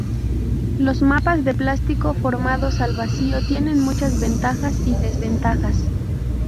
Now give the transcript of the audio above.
Los mapas de plástico formados al vacío tienen muchas ventajas y desventajas.